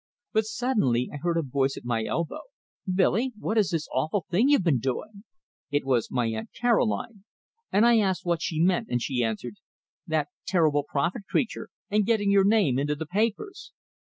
But suddenly I heard a voice at my elbow: "Billy, what is this awful thing you've been doing?" It was my Aunt Caroline, and I asked what she meant, and she answered, "That terrible prophet creature, and getting your name into the papers!"